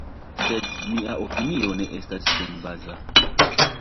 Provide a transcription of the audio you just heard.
Sed mia opinio ne estas senbaza.